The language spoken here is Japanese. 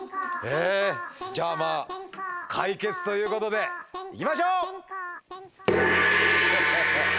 ねえじゃあまあ解決ということでいきましょう！